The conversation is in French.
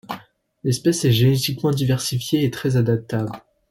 L'espèce est génétiquement diversifiée et très adaptable.